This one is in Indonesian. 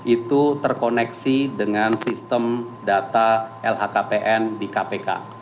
itu terkoneksi dengan sistem data lhkpn di kpk